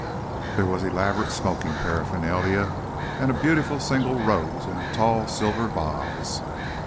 There was elaborate smoking paraphernalia and a beautiful single rose in a tall silver vase.